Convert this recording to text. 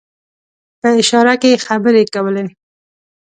په اشاره کې خبرې کولې.